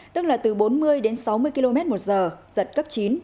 tức là từ bốn mươi đến sáu mươi km một giờ giật cấp chín